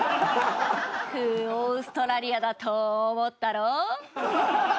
オーストラリアだと思ったろ？